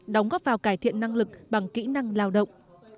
đóng góp vào cải thiện năng lực bằng kỹ năng lao động